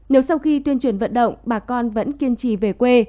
nếu sau khi tuyên truyền vận động bà con vẫn kiên trì về quê